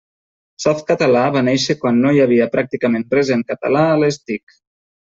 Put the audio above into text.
Softcatalà va néixer quan no hi havia pràcticament res en català a les TIC.